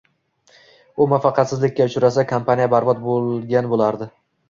u muvaffaqiyatsizlikka uchrasa, kompaniya barbod bo‘lgan bo‘lardi